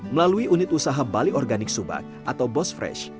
melalui unit usaha bali organik subak atau bosfresh